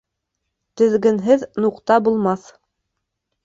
Теҙгенһеҙ нуҡта булмаҫ.